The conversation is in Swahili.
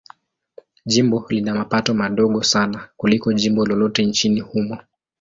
Jimbo lina mapato madogo sana kuliko jimbo lolote nchini humo.